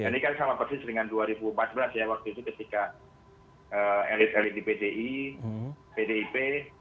ini kan sama persis dengan dua ribu empat belas ya waktu itu ketika elit elit di pdi pdip